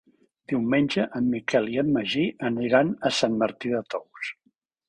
Diumenge en Miquel i en Magí aniran a Sant Martí de Tous.